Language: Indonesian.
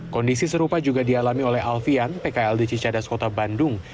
kondisi serupa juga dialami oleh alfian pkl di cicadas kota bandung